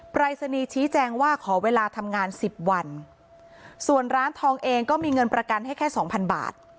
ปรายศนีย์ชี้แจงว่าขอเวลาทำงานสิบวันส่วนร้านทองเองก็มีเงินประกันให้แค่สองพันบาท